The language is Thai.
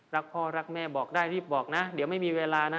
รักพ่อรักแม่บอกได้รีบบอกนะเดี๋ยวไม่มีเวลานะ